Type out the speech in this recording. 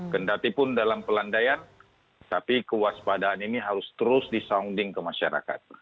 kendatipun dalam pelandaian tapi kewaspadaan ini harus terus disounding ke masyarakat